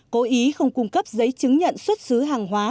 cố ý không cung cấp giấy chứng nhận xuất xứ hàng hóa